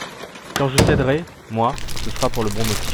Quand je céderai, moi, ce sera pour le bon motif.